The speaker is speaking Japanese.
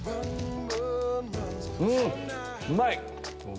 うんうまい！